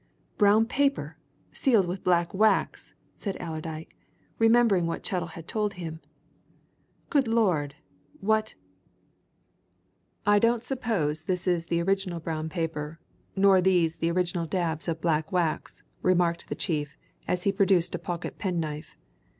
"Brown paper, sealed with black wax!" said Allerdyke, remembering what Chettle had told him. "Good Lord what " "I don't suppose this is the original brown paper, nor these the original dabs of black wax," remarked the chief as he produced a pocket pen knife.